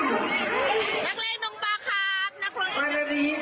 ตีกันละนงอืมมีแต่ผู้เล่นเก่ง